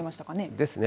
ですね。